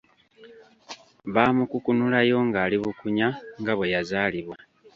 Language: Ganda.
Baamukukunulayo ng’ali bukunya nga bweyazaalibwa.